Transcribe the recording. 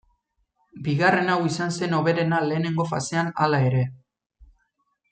Bigarren hau izan zen hoberena lehenengo fasean, hala ere.